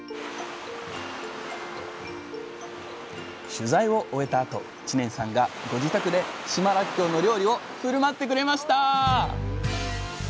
取材を終えたあと知念さんがご自宅で島らっきょうの料理を振る舞ってくれました！